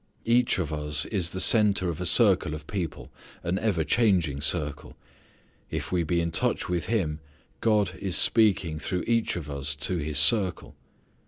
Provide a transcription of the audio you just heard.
Each of us is the centre of a circle of people, an ever changing circle. If we be in touch with Him God is speaking through each of us to his circle.